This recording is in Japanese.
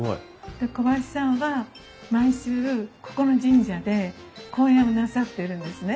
で小林さんは毎週ここの神社で公演をなさってるんですね。